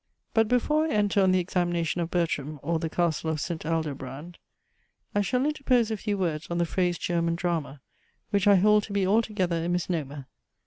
But before I enter on the examination of BERTRAM, or THE CASTLE OF ST. ALDOBRAND, I shall interpose a few words, on the phrase German Drama, which I hold to be altogether a misnomer.